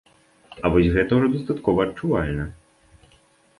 А вось гэта ўжо дастаткова адчувальна.